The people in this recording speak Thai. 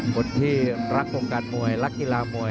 คนที่รักวงการมวยรักกีฬามวย